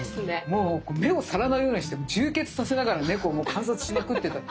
もう目を皿のようにして充血させながら猫を観察しまくってた。